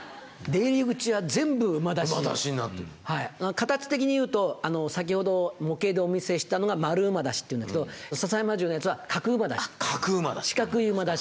形的に言うと先ほど模型でお見せしたのが丸馬出しというんだけど篠山城のやつは角馬出し。